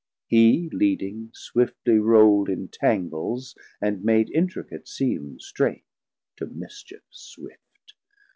Hee leading swiftly rowld In tangles, and make intricate seem strait, To mischief swift.